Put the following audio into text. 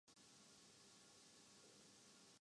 باتچیت بہت کامیاب ہو گی